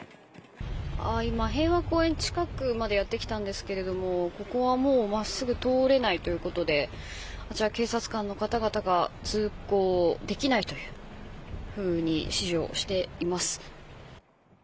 平和公園近くまでやってきたんですけれどもここはもう真っすぐ通れないということであちら、警察官の方々が通行できないというふうに指示をしています。